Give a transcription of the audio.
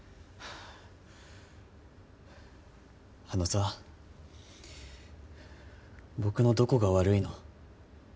あのさ僕のどこが悪いの？